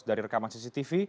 dari rekaman cctv